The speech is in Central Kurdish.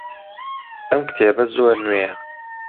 ئەم کتێبە زۆر نوێیە.